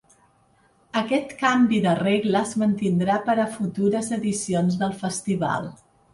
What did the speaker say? Aquest canvi de regla es mantindrà per a futures edicions del Festival.